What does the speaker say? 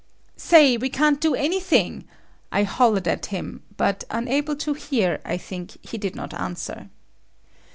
"Say, we can't do anything!" I hollered at him, but unable to hear, I think, he did not answer.